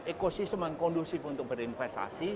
ekosistem yang kondusif untuk berinvestasi